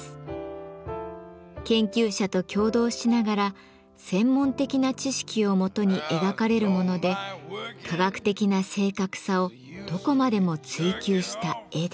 研究者と協働しながら専門的な知識をもとに描かれるもので科学的な正確さをどこまでも追求した絵です。